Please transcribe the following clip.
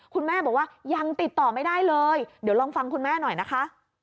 คุณแม่บอกว่ายังติดต่อไม่ได้เลยเดี๋ยวลองฟังคุณแม่หน่อยนะคะ